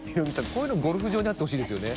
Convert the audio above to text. こういうのゴルフ場にあってほしいですよね。